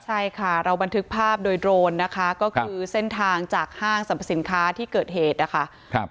ใช่ค่ะเราบันทึกภาพโดยโดรนนะคะก็คือเส้นทางจากห้างสรรพสินค้าที่เกิดเหตุนะคะ